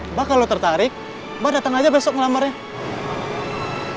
mbak kalau tertarik mbak datang aja besok ngelamarnya